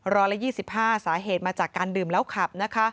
ร้อยละ๒๕สาเหตุมาจากการดื่มแล้วขับนะคะ